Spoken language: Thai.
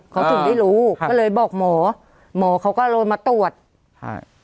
เขาถึงได้รู้ก็เลยบอกหมอหมอเขาก็โรยมาตรวจใช่